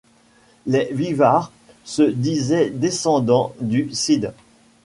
Les Vivar se disaient descendants du Cid.